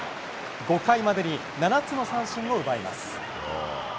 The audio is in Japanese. ５回までに７つの三振を奪います。